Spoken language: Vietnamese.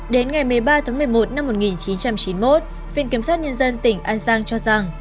đến ngày một mươi ba tháng một mươi một năm một nghìn chín trăm chín mươi một viện kiểm sát nhân dân tỉnh an giang cho rằng